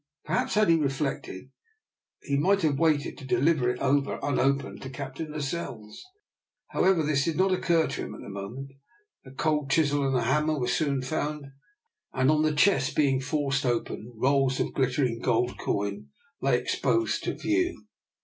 Perhaps had he reflected, he might have waited to deliver it over unopened to Captain Lascelles. However, this did not occur to him at the moment. A cold chisel and hammer were soon found, and on the chest being forced open rolls of glittering gold coin lay exposed to view.